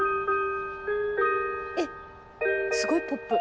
えっすごいポップ。